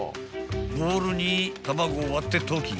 ［ボウルに卵を割って溶き］